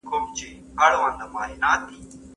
خپل هيواد کي څو سلنه خلک ستاسو د ږغ ملاتړ کړی دی؟